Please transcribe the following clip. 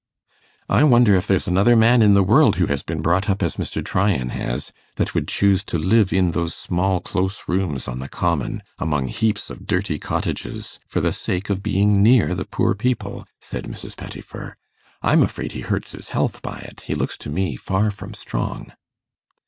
'I wonder if there's another man in the world who has been brought up as Mr. Tryan has, that would choose to live in those small close rooms on the common, among heaps of dirty cottages, for the sake of being near the poor people,' said Mrs. Pettifer. 'I'm afraid he hurts his health by it; he looks to me far from strong.